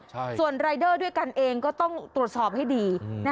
ใช่ส่วนด้วยกันเองก็ต้องตรวจสอบให้ดีอืม